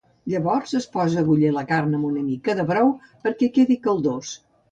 Llavors es posa bullir la carn amb una mica de brou perquè quedi caldós.